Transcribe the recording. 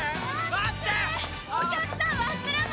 待ってー！